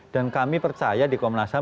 dan kami percaya di komnas ham